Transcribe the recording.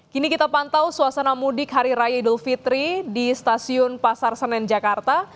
kini kita pantau suasana mudik hari raya idul fitri di stasiun pasar senen jakarta